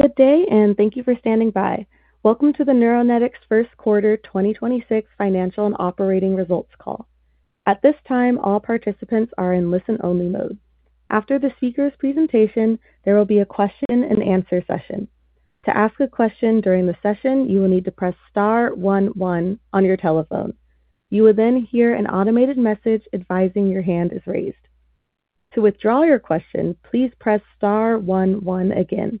Good day, and thank you for standing by. Welcome to the Neuronetics first quarter 2026 financial and operating results call. At this time, all participants are in listen-only mode. After the speaker's presentation, there will be a question and answer session. To ask a question during the session, you will need to press star one one on your telephone. You will then hear an automated message advising your hand is raised. To withdraw your question, please press star one one again.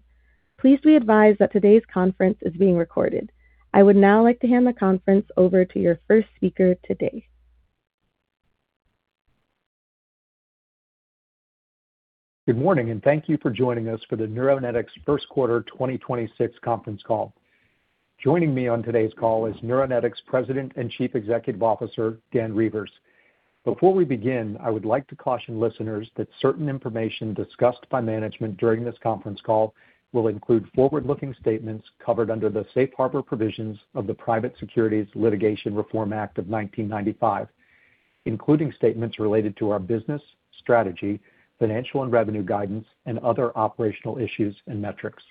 Please be advised that today's conference is being recorded. I would now like to hand the conference over to your first speaker today. Good morning, thank you for joining us for the Neuronetics first quarter 2026 conference call. Joining me on today's call is Neuronetics President and Chief Executive Officer, Dan Reuvers. Before we begin, I would like to caution listeners that certain information discussed by management during this conference call will include forward-looking statements covered under the Safe Harbor provisions of the Private Securities Litigation Reform Act of 1995, including statements related to our business, strategy, financial and revenue guidance, and other operational issues and metrics.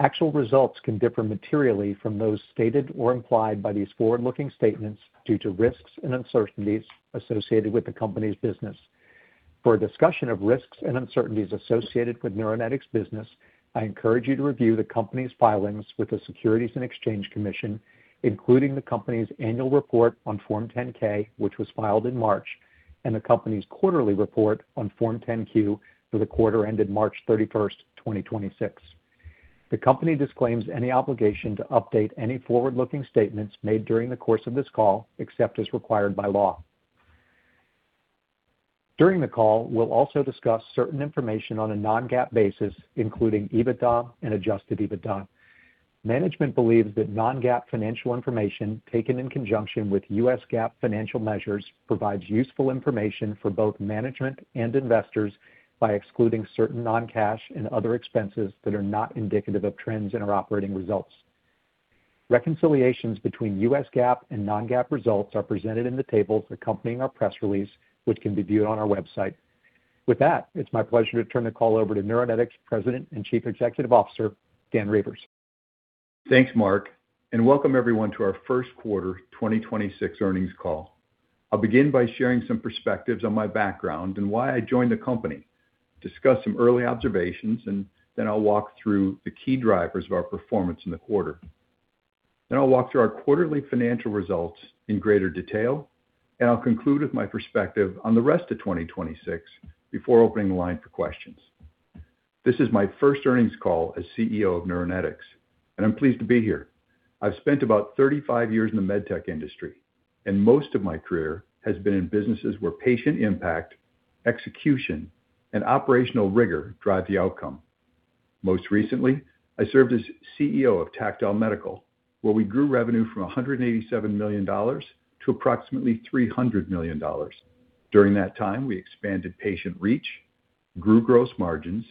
Actual results can differ materially from those stated or implied by these forward-looking statements due to risks and uncertainties associated with the company's business. For a discussion of risks and uncertainties associated with Neuronetics business, I encourage you to review the company's filings with the Securities and Exchange Commission, including the company's annual report on Form 10-K, which was filed in March, and the company's quarterly report on Form 10-Q for the quarter ended March 31st, 2026. The company disclaims any obligation to update any forward-looking statements made during the course of this call, except as required by law. During the call, we'll also discuss certain information on a non-GAAP basis, including EBITDA and adjusted EBITDA. Management believes that non-GAAP financial information taken in conjunction with U.S. GAAP financial measures provides useful information for both management and investors by excluding certain non-cash and other expenses that are not indicative of trends in our operating results. Reconciliations between U.S. GAAP and non-GAAP results are presented in the tables accompanying our press release, which can be viewed on our website. With that, it's my pleasure to turn the call over to Neuronetics President and Chief Executive Officer, Dan Reuvers. Thanks, Mark, and welcome everyone to our first quarter 2026 earnings call. I'll begin by sharing some perspectives on my background and why I joined the company, discuss some early observations, I'll walk through the key drivers of our performance in the quarter. I'll walk through our quarterly financial results in greater detail, I'll conclude with my perspective on the rest of 2026 before opening the line for questions. This is my first earnings call as CEO of Neuronetics, I'm pleased to be here. I've spent about 35 years in the med tech industry, Most of my career has been in businesses where patient impact, execution, and operational rigor drive the outcome. Most recently, I served as CEO of Tactile Medical, where we grew revenue from $187 million to approximately $300 million. During that time, we expanded patient reach, grew gross margins,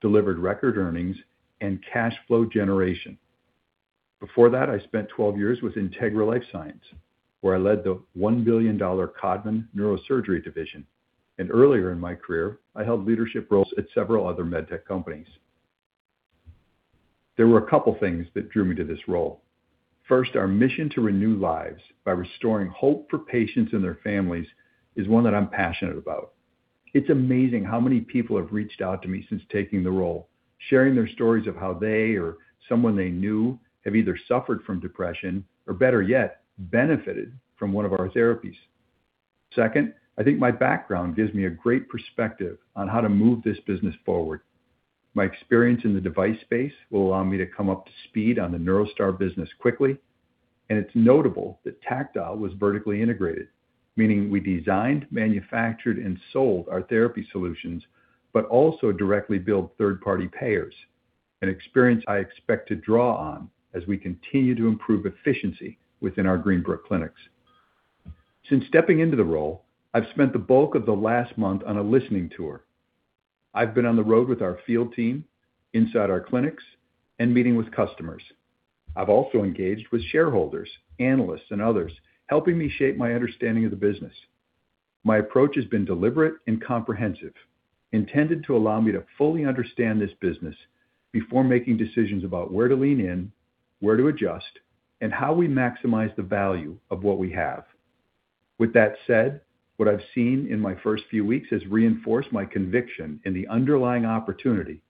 delivered record earnings, and cash flow generation. Before that, I spent 12 years with Integra LifeSciences, where I led the $1 billion Codman Neurosurgery Division. Earlier in my career, I held leadership roles at several other med tech companies. There were a couple things that drew me to this role. First, our mission to renew lives by restoring hope for patients and their families is one that I'm passionate about. It's amazing how many people have reached out to me since taking the role, sharing their stories of how they or someone they knew have either suffered from depression or, better yet, benefited from one of our therapies. Second, I think my background gives me a great perspective on how to move this business forward. My experience in the device space will allow me to come up to speed on the NeuroStar business quickly, and it's notable that Tactile was vertically integrated, meaning we designed, manufactured, and sold our therapy solutions, but also directly billed third-party payers, an experience I expect to draw on as we continue to improve efficiency within our Greenbrook clinics. Since stepping into the role, I've spent the bulk of the last month on a listening tour. I've been on the road with our field team, inside our clinics, and meeting with customers. I've also engaged with shareholders, analysts, and others, helping me shape my understanding of the business. My approach has been deliberate and comprehensive, intended to allow me to fully understand this business before making decisions about where to lean in, where to adjust, and how we maximize the value of what we have. With that said, what I've seen in my first few weeks has reinforced my conviction in the underlying opportunity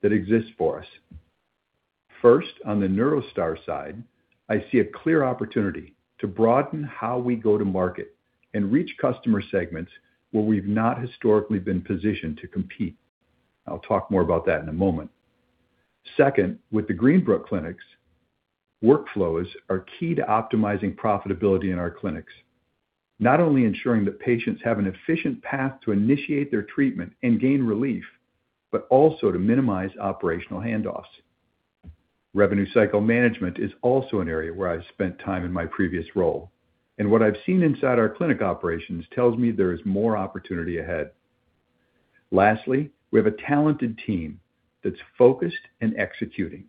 that exists for us. First, on the NeuroStar side, I see a clear opportunity to broaden how we go to market and reach customer segments where we've not historically been positioned to compete. I'll talk more about that in a moment. Second, with the Greenbrook clinics, workflows are key to optimizing profitability in our clinics, not only ensuring that patients have an efficient path to initiate their treatment and gain relief, but also to minimize operational handoffs. Revenue cycle management is also an area where I've spent time in my previous role, and what I've seen inside our clinic operations tells me there is more opportunity ahead. Lastly, we have a talented team that's focused and executing,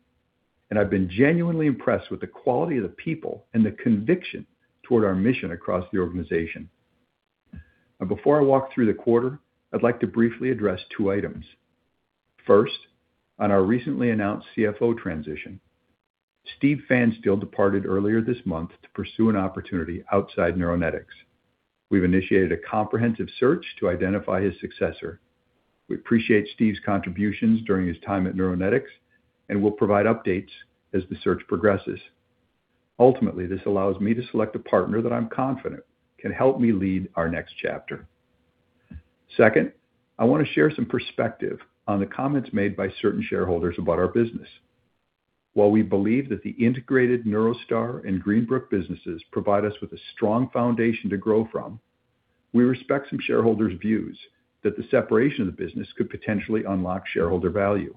and I've been genuinely impressed with the quality of the people and the conviction toward our mission across the organization. Before I walk through the quarter, I'd like to briefly address two items. First, on our recently announced CFO transition. Steven Pfanstiel departed earlier this month to pursue an opportunity outside Neuronetics. We've initiated a comprehensive search to identify his successor. We appreciate Steve's contributions during his time at Neuronetics, and we'll provide updates as the search progresses. Ultimately, this allows me to select a partner that I'm confident can help me lead our next chapter. Second, I want to share some perspective on the comments made by certain shareholders about our business. While we believe that the integrated NeuroStar and Greenbrook businesses provide us with a strong foundation to grow from, we respect some shareholders' views that the separation of the business could potentially unlock shareholder value.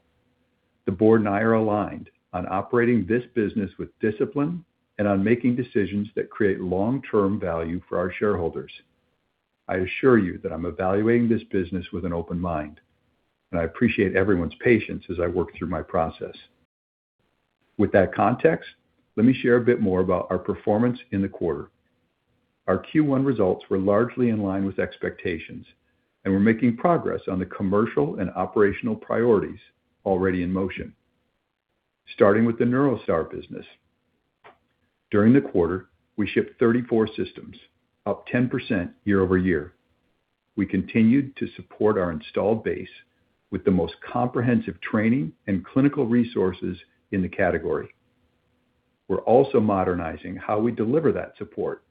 The board and I are aligned on operating this business with discipline and on making decisions that create long-term value for our shareholders. I assure you that I'm evaluating this business with an open mind, and I appreciate everyone's patience as I work through my process. With that context, let me share a bit more about our performance in the quarter. Our Q1 results were largely in line with expectations, and we're making progress on the commercial and operational priorities already in motion. Starting with the NeuroStar business. During the quarter, we shipped 34 systems, up 10% year-over-year. We continued to support our installed base with the most comprehensive training and clinical resources in the category. We're also modernizing how we deliver that support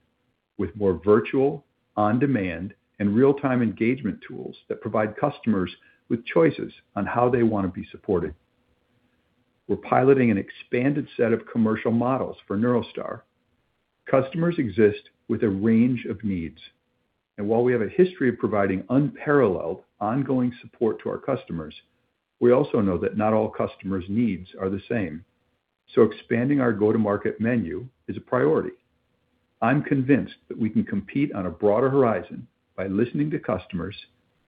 with more virtual, on-demand, and real-time engagement tools that provide customers with choices on how they want to be supported. We're piloting an expanded set of commercial models for NeuroStar. Customers exist with a range of needs, and while we have a history of providing unparalleled ongoing support to our customers, we also know that not all customers' needs are the same. Expanding our go-to-market menu is a priority. I'm convinced that we can compete on a broader horizon by listening to customers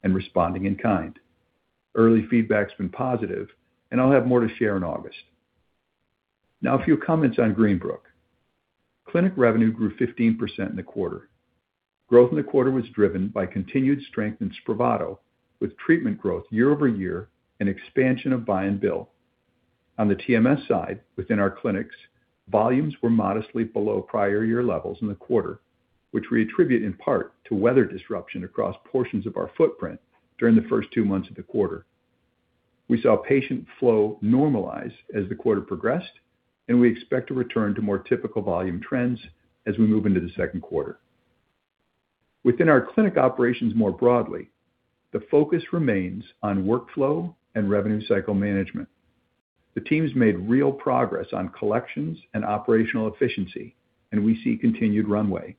and responding in kind. Early feedback's been positive, and I'll have more to share in August. Now, a few comments on Greenbrook. Clinic revenue grew 15% in the quarter. Growth in the quarter was driven by continued strength in SPRAVATO with treatment growth year-over-year and expansion of buy and bill. On the TMS side, within our clinics, volumes were modestly below prior year levels in the quarter, which we attribute in part to weather disruption across portions of our footprint during the first two months of the quarter. We saw patient flow normalize as the quarter progressed, and we expect to return to more typical volume trends as we move into the second quarter. Within our clinic operations more broadly, the focus remains on workflow and revenue cycle management. The team has made real progress on collections and operational efficiency, and we see continued runway.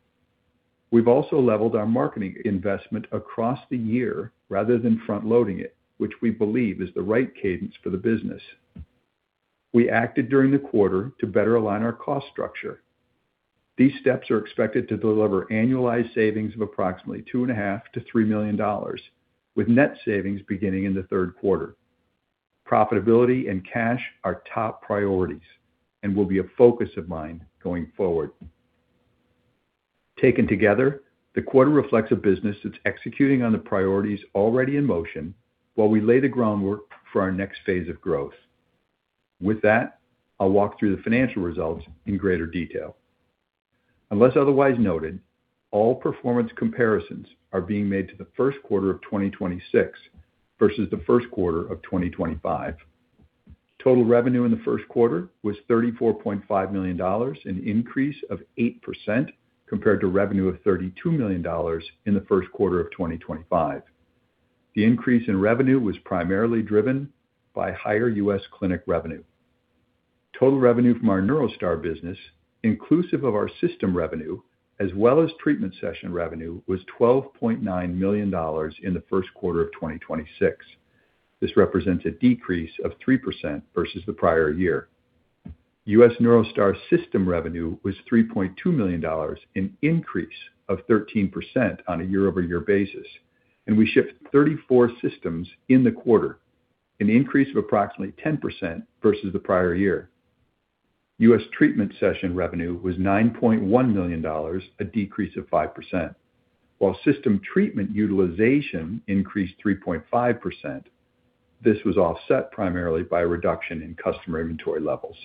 We've also leveled our marketing investment across the year rather than front-loading it, which we believe is the right cadence for the business. We acted during the quarter to better align our cost structure. These steps are expected to deliver annualized savings of approximately $2.5 million to $3 million with net savings beginning in the third quarter. Profitability and cash are top priorities and will be a focus of mine going forward. Taken together, the quarter reflects a business that's executing on the priorities already in motion while we lay the groundwork for our next phase of growth. With that, I'll walk through the financial results in greater detail. Unless otherwise noted, all performance comparisons are being made to the first quarter of 2026 versus the first quarter of 2025. Total revenue in the first quarter was $34.5 million, an increase of 8% compared to revenue of $32 million in the first quarter of 2025. The increase in revenue was primarily driven by higher U.S. clinic revenue. Total revenue from our NeuroStar business, inclusive of our system revenue, as well as treatment session revenue, was $12.9 million in the first quarter of 2026. This represents a decrease of 3% versus the prior year. U.S. NeuroStar system revenue was $3.2 million, an increase of 13% on a year-over-year basis. We shipped 34 systems in the quarter, an increase of approximately 10% versus the prior year. U.S. treatment session revenue was $9.1 million, a decrease of 5%. While system treatment utilization increased 3.5%, this was offset primarily by a reduction in customer inventory levels.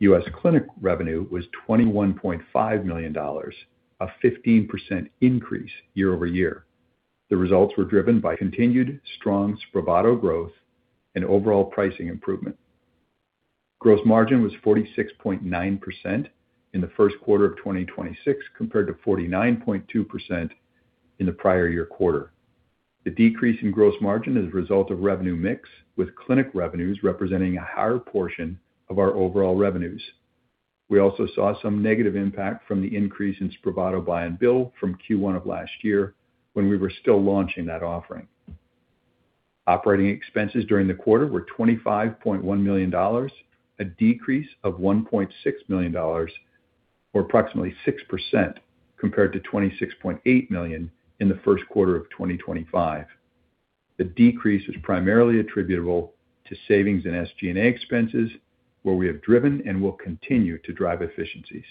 U.S. clinic revenue was $21.5 million, a 15% increase year-over-year. The results were driven by continued strong SPRAVATO growth and overall pricing improvement. Gross margin was 46.9% in the first quarter of 2026 compared to 49.2% in the prior year quarter. The decrease in gross margin is a result of revenue mix, with clinic revenues representing a higher portion of our overall revenues. We also saw some negative impact from the increase in SPRAVATO buy and bill from Q1 of last year when we were still launching that offering. Operating expenses during the quarter were $25.1 million, a decrease of $1.6 million or approximately 6% compared to $26.8 million in the first quarter of 2025. The decrease is primarily attributable to savings in SG&A expenses, where we have driven and will continue to drive efficiencies.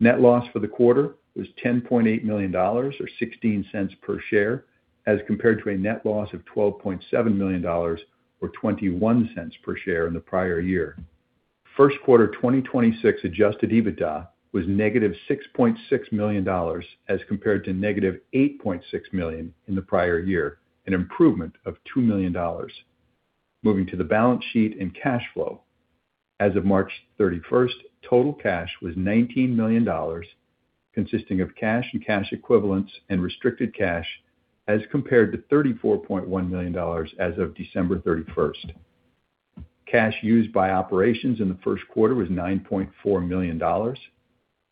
Net loss for the quarter was $10.8 million, or $0.16 per share, as compared to a net loss of $12.7 million or $0.21 per share in the prior year. First quarter 2026 adjusted EBITDA was -$6.6 million as compared to -$8.6 million in the prior year, an improvement of $2 million. Moving to the balance sheet and cash flow. As of March 31st, total cash was $19 million, consisting of cash and cash equivalents and restricted cash, as compared to $34.1 million as of December 31st. Cash used by operations in the first quarter was $9.4 million.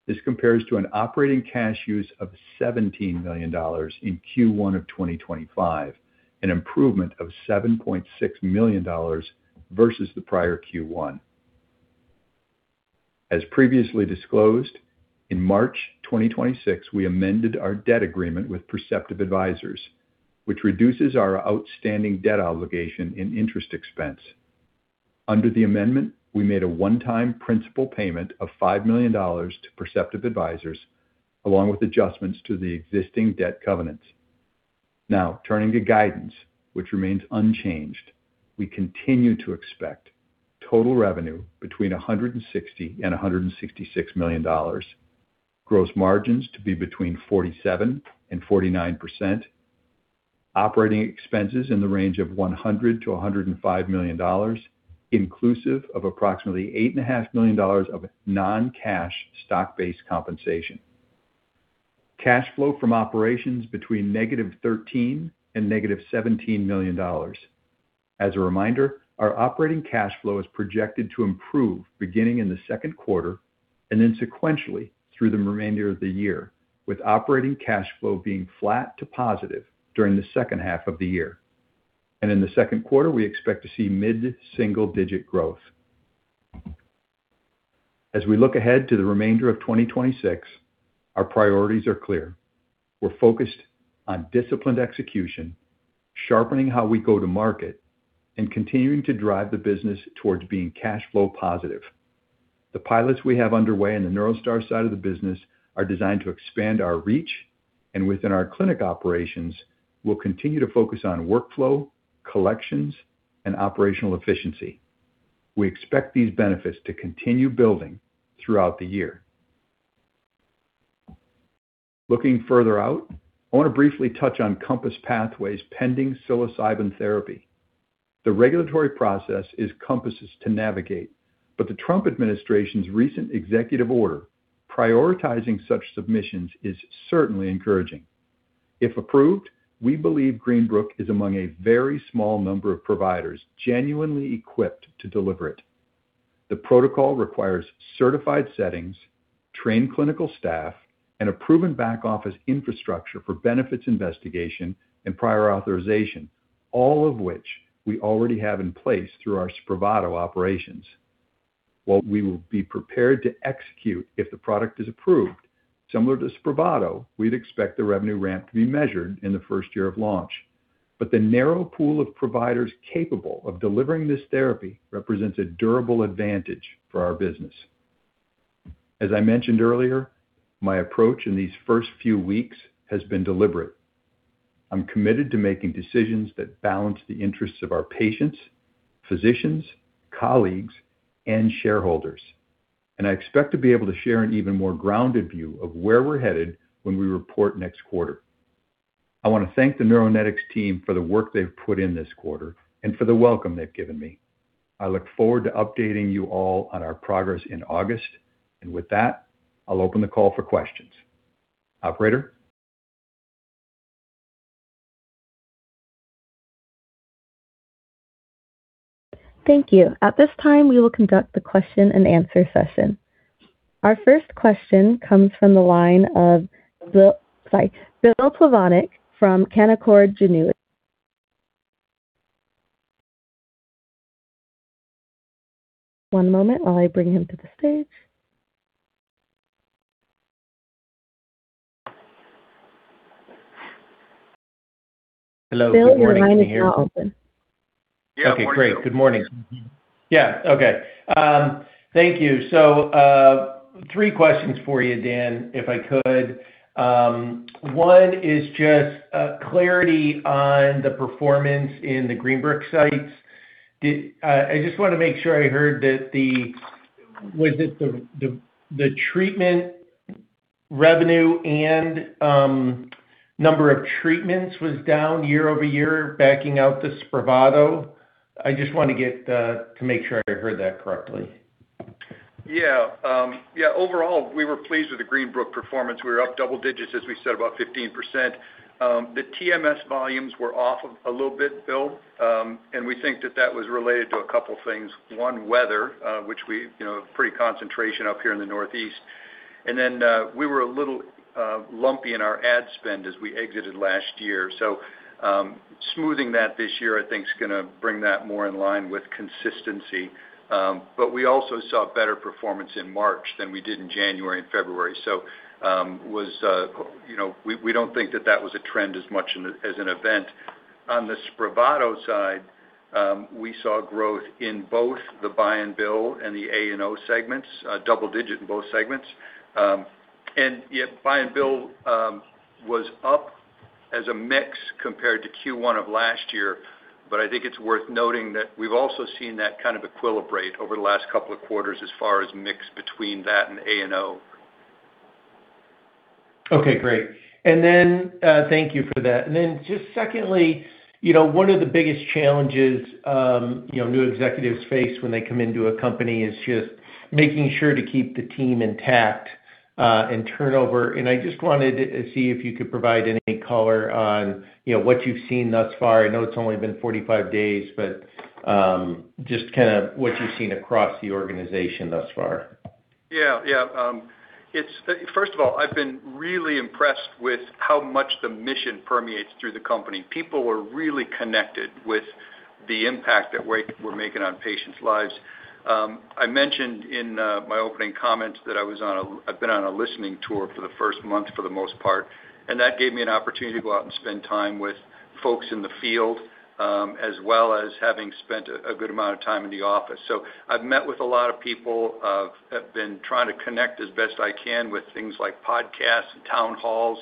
This compares to an operating cash use of $17 million in Q1 of 2025, an improvement of $7.6 million versus the prior Q1. As previously disclosed, in March 2026, we amended our debt agreement with Perceptive Advisors, which reduces our outstanding debt obligation and interest expense. Under the amendment, we made a one-time principal payment of $5 million to Perceptive Advisors, along with adjustments to the existing debt covenants. Turning to guidance, which remains unchanged. We continue to expect total revenue between $160 million and $166 million. Gross margins to be between 47% and 49%. Operating expenses in the range of $100 million-$105 million, inclusive of approximately eight and a half million dollars of non-cash stock-based compensation. Cash flow from operations between -$13 million and -$17 million. As a reminder, our operating cash flow is projected to improve beginning in the second quarter and then sequentially through the remainder of the year, with operating cash flow being flat to positive during the second half of the year. In the second quarter, we expect to see mid-single-digit growth. As we look ahead to the remainder of 2026, our priorities are clear. We're focused on disciplined execution, sharpening how we go to market, and continuing to drive the business towards being cash flow positive. The pilots we have underway in the NeuroStar side of the business are designed to expand our reach, and within our clinic operations, we'll continue to focus on workflow, collections, and operational efficiency. We expect these benefits to continue building throughout the year. Looking further out, I want to briefly touch on Compass Pathways' pending psilocybin therapy. The regulatory process is Compass Pathways' to navigate. The Trump administration's recent executive order prioritizing such submissions is certainly encouraging. If approved, we believe Greenbrook TMS is among a very small number of providers genuinely equipped to deliver it. The protocol requires certified settings, trained clinical staff, and a proven back-office infrastructure for benefits investigation and prior authorization, all of which we already have in place through our SPRAVATO operations. While we will be prepared to execute if the product is approved, similar to SPRAVATO, we'd expect the revenue ramp to be measured in the first year of launch. The narrow pool of providers capable of delivering this therapy represents a durable advantage for our business. As I mentioned earlier, my approach in these first few weeks has been deliberate. I'm committed to making decisions that balance the interests of our patients, physicians, colleagues, and shareholders. I expect to be able to share an even more grounded view of where we're headed when we report next quarter. I want to thank the Neuronetics team for the work they've put in this quarter and for the welcome they've given me. I look forward to updating you all on our progress in August. With that, I'll open the call for questions. Operator? Thank you. At this time, we will conduct the question and answer session. Our first question comes from the line of Bill, sorry, Bill Plovanic from Canaccord Genuity. One moment while I bring him to the stage. Hello. Good morning. Can you hear me? Bill, your line is now open. Yeah. Morning, Bill. Okay, great. Good morning. Yeah. Okay. Thank you. Three questions for you, Dan, if I could. One is just clarity on the performance in the Greenbrook sites. I just wanna make sure I heard that, was it the treatment revenue and number of treatments was down year-over-year backing out the SPRAVATO? I just want to get to make sure I heard that correctly. Overall, we were pleased with the Greenbrook performance. We were up double digits, as we said, about 15%. The TMS volumes were off a little bit, Bill. We think that that was related to a couple things. One, weather, which we, you know, pretty concentration up here in the Northeast. We were a little lumpy in our ad spend as we exited last year. Smoothing that this year I think is gonna bring that more in line with consistency. We also saw better performance in March than we did in January and February. Was, you know, we don't think that that was a trend as much as an event. On the SPRAVATO side, we saw growth in both the buy and bill and the A&O segments, double-digit in both segments. Yet buy and bill was up as a mix compared to Q1 of last year, but I think it's worth noting that we've also seen that kind of equilibrate over the last couple of quarters as far as mix between that and A&O. Okay, great. Then, thank you for that. Then just secondly, you know, one of the biggest challenges, you know, new executives face when they come into a company is just making sure to keep the team intact, and turnover. I just wanted to see if you could provide any color on, you know, what you've seen thus far. I know it's only been 45 days, but, just kind of what you've seen across the organization thus far. Yeah. Yeah. First of all, I've been really impressed with how much the mission permeates through the company. People are really connected with the impact that we're making on patients' lives. I mentioned in my opening comments that I've been on a listening tour for the first month for the most part, and that gave me an opportunity to go out and spend time with folks in the field, as well as having spent a good amount of time in the office. I've met with a lot of people, have been trying to connect as best I can with things like podcasts and town halls.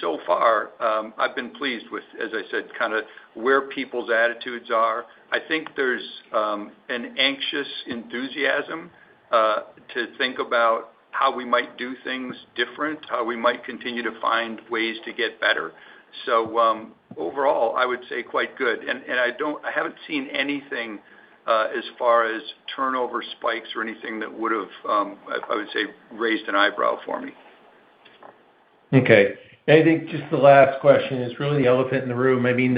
So far, I've been pleased with, as I said, kinda where people's attitudes are. I think there's an anxious enthusiasm to think about how we might do things different, how we might continue to find ways to get better. Overall, I would say quite good. I haven't seen anything, as far as turnover spikes or anything that would've, I would say, raised an eyebrow for me. Okay. I think just the last question is really the elephant in the room. I mean,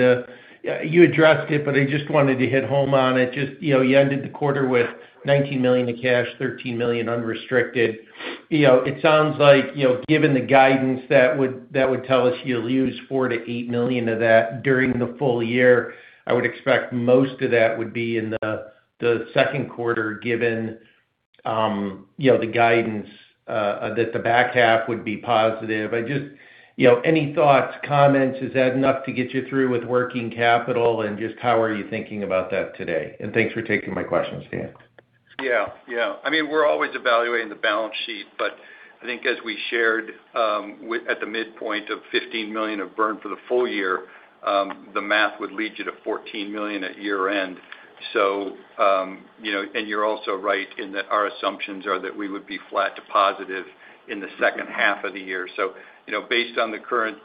you addressed it, but I just wanted to hit home on it. Just, you know, you ended the quarter with $19 million in cash, $13 million unrestricted. You know, it sounds like, you know, given the guidance that would tell us you'll use $4 million-$8 million of that during the full year. I would expect most of that would be in the second quarter given, you know, the guidance that the back half would be positive. I just, you know, any thoughts, comments, is that enough to get you through with working capital, and just how are you thinking about that today? Thanks for taking my questions, Dan. Yeah. Yeah. I mean, we're always evaluating the balance sheet, but I think as we shared, at the midpoint of $15 million of burn for the full year, the math would lead you to $14 million at year-end. You know, you're also right in that our assumptions are that we would be flat to positive in the second half of the year. You know, based on the current,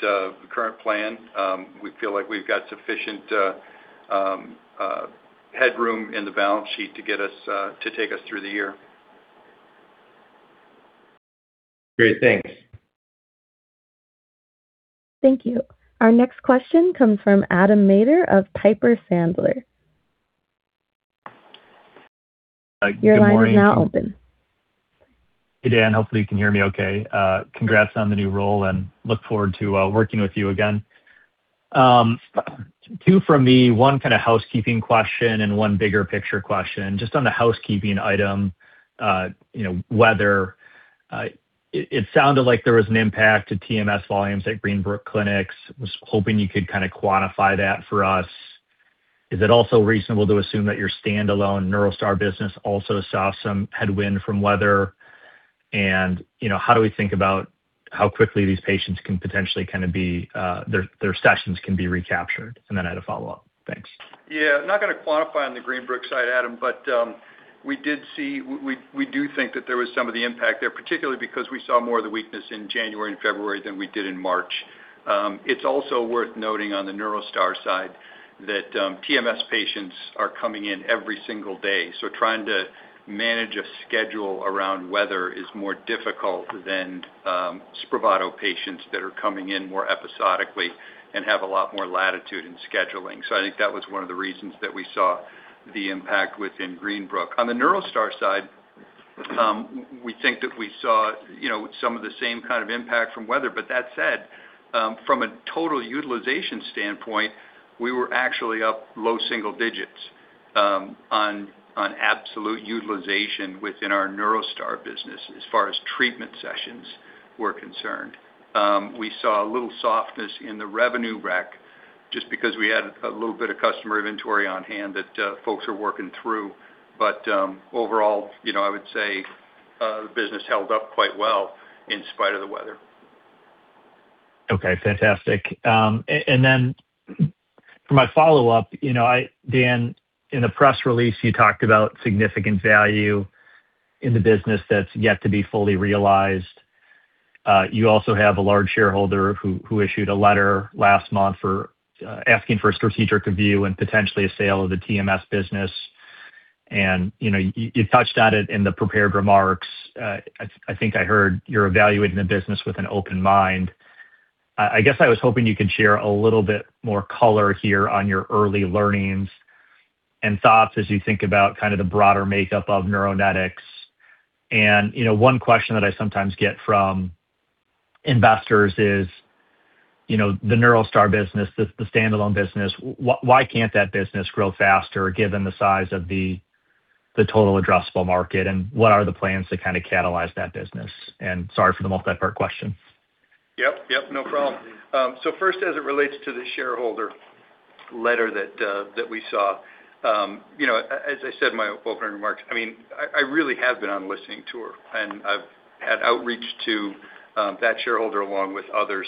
current plan, we feel like we've got sufficient headroom in the balance sheet to take us through the year. Great. Thanks. Thank you. Our next question comes from Adam Maeder of Piper Sandler. Good morning. Your line is now open. Hey, Dan. Hopefully you can hear me okay. Congrats on the new role, and look forward to working with you again. Two from me, one kind of housekeeping question and one bigger picture question. Just on the housekeeping item, you know, weather, it sounded like there was an impact to TMS volumes at Greenbrook clinics. Was hoping you could kind of quantify that for us. Is it also reasonable to assume that your standalone NeuroStar business also saw some headwind from weather? You know, how do we think about how quickly these patients can potentially kind of be, their sessions can be recaptured? I had a follow-up. Thanks. Yeah. Not gonna quantify on the Greenbrook side, Adam, we do think that there was some of the impact there, particularly because we saw more of the weakness in January and February than we did in March. It's also worth noting on the NeuroStar side that TMS patients are coming in every single day. Trying to manage a schedule around weather is more difficult than SPRAVATO patients that are coming in more episodically and have a lot more latitude in scheduling. I think that was one of the reasons that we saw the impact within Greenbrook. On the NeuroStar side, we think that we saw, you know, some of the same kind of impact from weather. That said, from a total utilization standpoint, we were actually up low single digits on absolute utilization within our NeuroStar business as far as treatment sessions were concerned. We saw a little softness in the revenue rec just because we had a little bit of customer inventory on hand that folks are working through. Overall, you know, I would say the business held up quite well in spite of the weather. Okay, fantastic. And then for my follow-up, you know, Dan, in the press release, you talked about significant value in the business that's yet to be fully realized. You also have a large shareholder who issued a letter last month for asking for a strategic review and potentially a sale of the TMS business. You know, you touched on it in the prepared remarks. I think I heard you're evaluating the business with an open mind. I guess I was hoping you could share a little bit more color here on your early learnings and thoughts as you think about kind of the broader makeup of Neuronetics. You know, one question that I sometimes get from investors is, you know, the NeuroStar business, the standalone business, why can't that business grow faster given the size of the total addressable market and what are the plans to kinda catalyze that business? Sorry for the multi-part question. No problem. First, as it relates to the shareholder letter that we saw, you know, as I said in my opening remarks, I mean, I really have been on a listening tour, and I've had outreach to that shareholder along with others,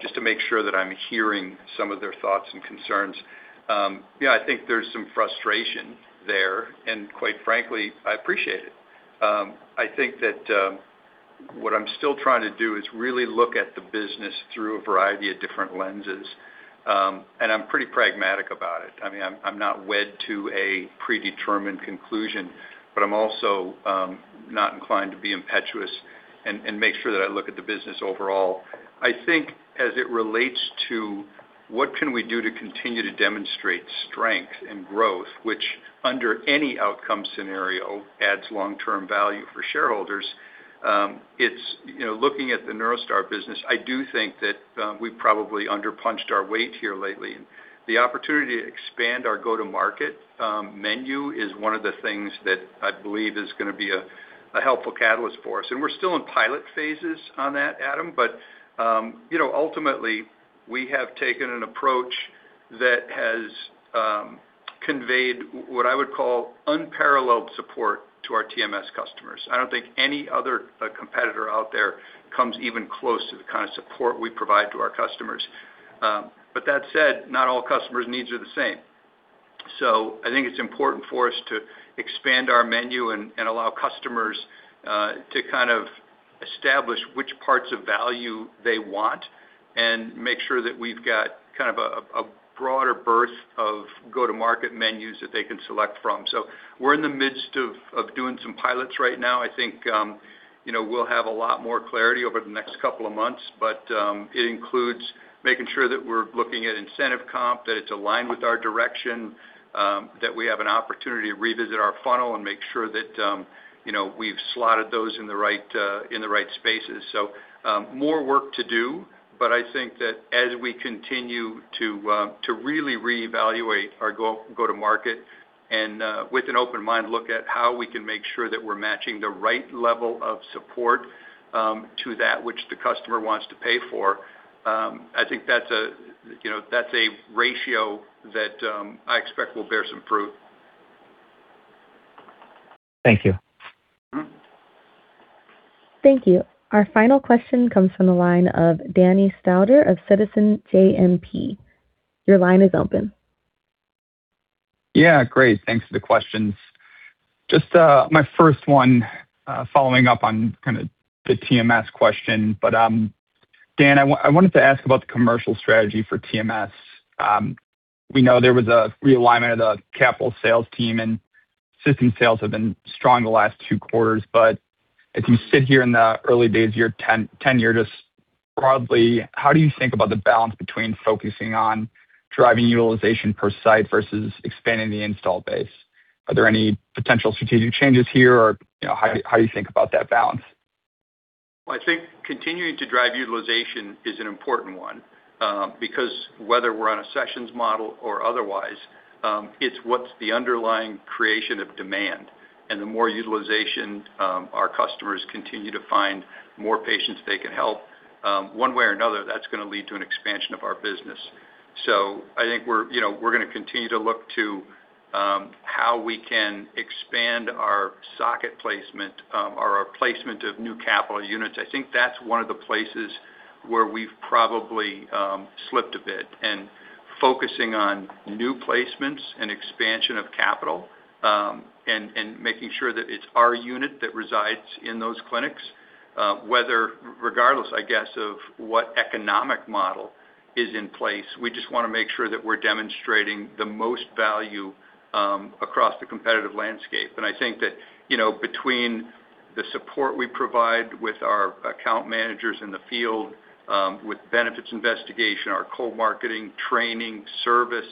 just to make sure that I'm hearing some of their thoughts and concerns. You know, I think there's some frustration there, and quite frankly, I appreciate it. I think that what I'm still trying to do is really look at the business through a variety of different lenses, and I'm pretty pragmatic about it. I mean, I'm not wed to a predetermined conclusion, but I'm also not inclined to be impetuous and make sure that I look at the business overall. I think as it relates to what can we do to continue to demonstrate strength and growth, which under any outcome scenario adds long-term value for shareholders, it's, you know, looking at the NeuroStar business, I do think that we've probably underpunched our weight here lately. The opportunity to expand our go-to-market menu is one of the things that I believe is gonna be a helpful catalyst for us. We're still in pilot phases on that, Adam, but, you know, ultimately, we have taken an approach that has conveyed what I would call unparalleled support to our TMS customers. I don't think any other competitor out there comes even close to the kind of support we provide to our customers. That said, not all customers' needs are the same. I think it's important for us to expand our menu and allow customers to kind of establish which parts of value they want and make sure that we've got kind of a broader berth of go-to-market menus that they can select from. We're in the midst of doing some pilots right now. I think, you know, we'll have a lot more clarity over the next couple of months. It includes making sure that we're looking at incentive comp, that it's aligned with our direction, that we have an opportunity to revisit our funnel and make sure that, you know, we've slotted those in the right in the right spaces. More work to do, but I think that as we continue to really reevaluate our go-to-market and with an open mind, look at how we can make sure that we're matching the right level of support to that which the customer wants to pay for, I think that's, you know, that's a ratio that I expect will bear some fruit. Thank you. Thank you. Our final question comes from the line of Danny Stauder of Citizens JMP. Your line is open. Yeah, great. Thanks for the questions. Just, my first one, following up on kind of the TMS question, Dan, I wanted to ask about the commercial strategy for TMS. We know there was a realignment of the capital sales team. System sales have been strong the last two quarters. As you sit here in the early days of year 10, tenure, just broadly, how do you think about the balance between focusing on driving utilization per site versus expanding the install base? Are there any potential strategic changes here or, you know, how do you think about that balance? I think continuing to drive utilization is an important one, because whether we're on a sessions model or otherwise, it's what's the underlying creation of demand. The more utilization, our customers continue to find more patients they can help, one way or another, that's gonna lead to an expansion of our business. I think we're, you know, we're gonna continue to look to how we can expand our socket placement, or our placement of new capital units. I think that's one of the places where we've probably slipped a bit. Focusing on new placements and expansion of capital, and making sure that it's our unit that resides in those clinics, regardless, I guess, of what economic model is in place, we just wanna make sure that we're demonstrating the most value across the competitive landscape. I think that, you know, between the support we provide with our account managers in the field, with benefits investigation, our co-marketing, training, service,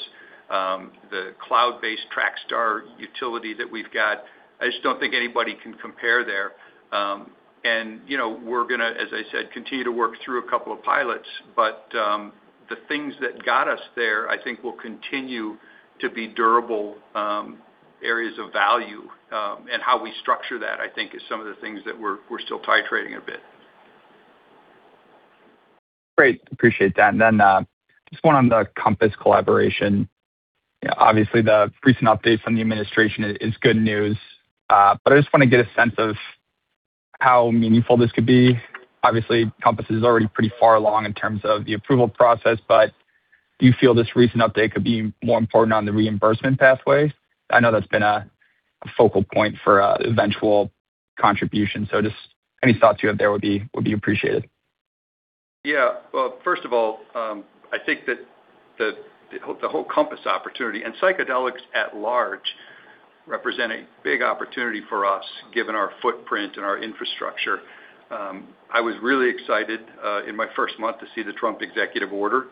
the cloud-based TrakStar utility that we've got, I just don't think anybody can compare there. You know, we're gonna, as I said, continue to work through a couple of pilots. The things that got us there, I think, will continue to be durable areas of value. How we structure that, I think, is some of the things that we're still titrating a bit. Great. Appreciate that. Just one on the Compass collaboration. You know, obviously, the recent update from the administration is good news. I just wanna get a sense of how meaningful this could be. Obviously, Compass is already pretty far along in terms of the approval process, but do you feel this recent update could be more important on the reimbursement pathways? I know that's been a focal point for eventual contribution. Just any thoughts you have there would be appreciated. Yeah. Well, first of all, I think that the whole Compass opportunity and psychedelics at large represent a big opportunity for us, given our footprint and our infrastructure. I was really excited in my first month to see the Trump executive order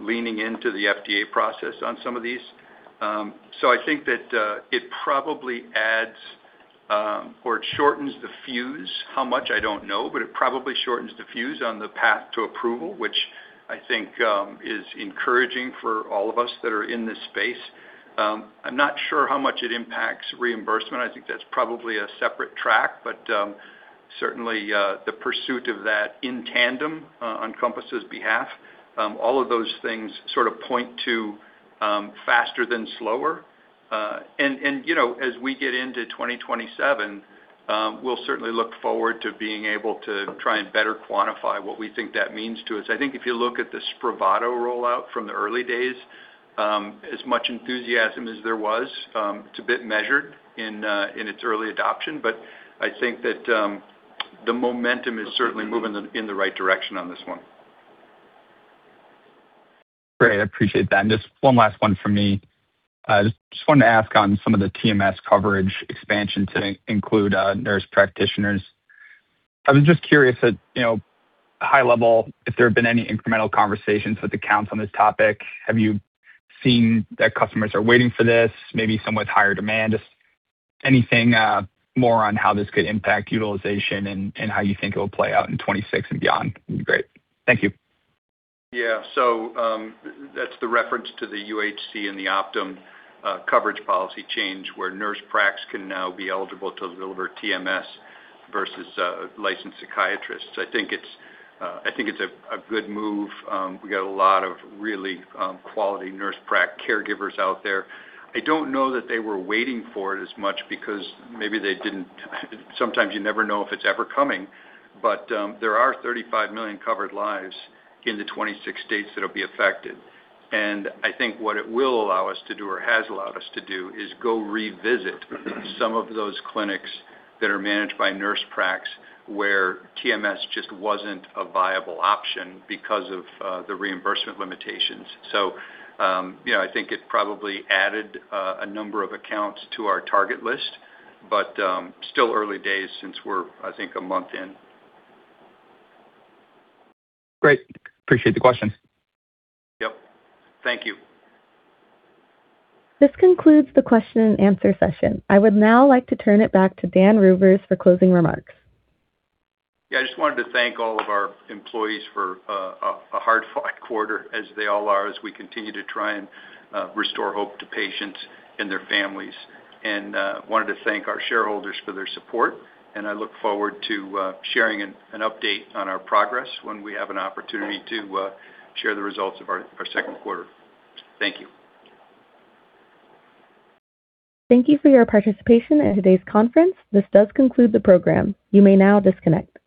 leaning into the FDA process on some of these. I think that it probably shortens the fuse. How much, I don't know, it probably shortens the fuse on the path to approval, which I think is encouraging for all of us that are in this space. I'm not sure how much it impacts reimbursement. I think that's probably a separate track, certainly the pursuit of that in tandem on Compass' behalf, all of those things sort of point to faster than slower. And, you know, as we get into 2027, we'll certainly look forward to being able to try and better quantify what we think that means to us. I think if you look at the SPRAVATO rollout from the early days, as much enthusiasm as there was, it's a bit measured in its early adoption. I think that the momentum is certainly moving in the right direction on this one. Great. I appreciate that. Just one last one from me. I just wanted to ask on some of the TMS coverage expansion to include nurse practitioners. I was just curious at, you know, high level, if there have been any incremental conversations with accounts on this topic. Have you seen that customers are waiting for this, maybe some with higher demand? Just anything more on how this could impact utilization and how you think it will play out in 2026 and beyond would be great. Thank you. Yeah. That's the reference to the UnitedHealthcare and the Optum coverage policy change, where nurse practitioners can now be eligible to deliver TMS versus licensed psychiatrists. I think it's a good move. We got a lot of really quality nurse practitioners caregivers out there. I don't know that they were waiting for it as much because maybe they didn't, sometimes you never know if it's ever coming. There are 35 million covered lives in the 26 states that'll be affected. I think what it will allow us to do, or has allowed us to do, is go revisit some of those clinics that are managed by nurse practitioners where TMS just wasn't a viable option because of the reimbursement limitations. You know, I think it probably added, a number of accounts to our target list, but, still early days since we're, I think, a month in. Great. Appreciate the questions. Yep. Thank you. This concludes the question and answer session. I would now like to turn it back to Dan Reuvers for closing remarks. Yeah, I just wanted to thank all of our employees for a hard-fought quarter, as they all are, as we continue to try and restore hope to patients and their families. Wanted to thank our shareholders for their support, and I look forward to sharing an update on our progress when we have an opportunity to share the results of our second quarter. Thank you. Thank you for your participation in today's conference. This does conclude the program. You may now disconnect.